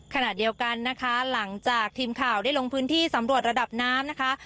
ขณะเดียวกันนะคะหลังจากทีมข่าวได้ลงพื้นที่สำรวจระดับน้ำนะคะ